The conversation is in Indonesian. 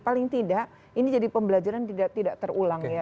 paling tidak ini jadi pembelajaran tidak terulang ya